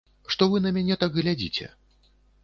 Што вы на мяне так глядзіце?